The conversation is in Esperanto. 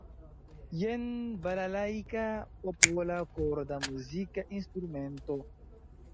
Jen "balalajka", popola korda muzika instrumento.